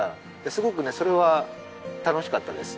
すごくねそれは楽しかったです。